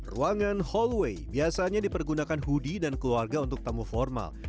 ruangan hallway biasanya dipergunakan hoodie dan keluarga untuk tamu formal